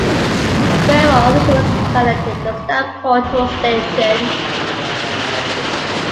Railroad officials designated the stop Hutto Station.